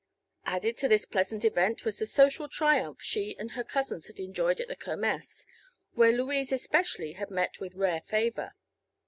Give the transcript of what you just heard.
Added to this pleasant event was the social triumph she and her cousins had enjoyed at the Kermess, where Louise especially had met with rare favor.